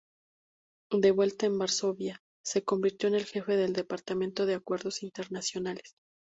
De vuelta en Varsovia, se convirtió en el jefe del departamento de acuerdos internacionales.